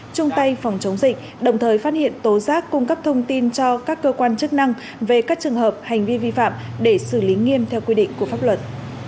trung tay phòng chống dịch đồng thời phát hiện tố giác cung cấp thông tin cho các cơ quan chức năng về các trường hợp hành vi vi phạm để xử lý nghiêm theo quy định của pháp luật